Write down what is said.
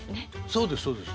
そうですそうです。